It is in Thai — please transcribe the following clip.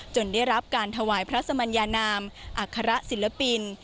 ได้รับการถวายพระสมัญญานามอัคระศิลปิน